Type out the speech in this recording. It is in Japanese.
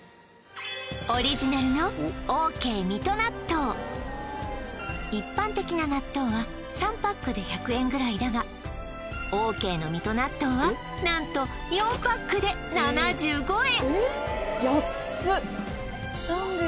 オリジナルのオーケー水戸納豆一般的な納豆は３パックで１００円ぐらいだがオーケーの水戸納豆は何と４パックで７５円